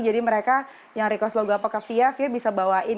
jadi mereka yang request lagu apa ke fia fia bisa bawain